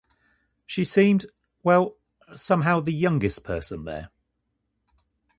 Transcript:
She seemed — well, somehow the youngest person there.